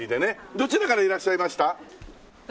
どちらからいらっしゃいました？